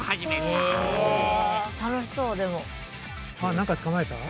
何か捕まえた？